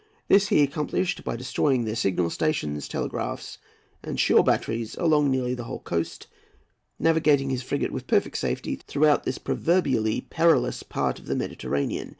This he accomplished by destroying their signal stations, telegraphs, and shore batteries along nearly the whole coast, navigating his frigate with perfect safety throughout this proverbially perilous part of the Mediterranean.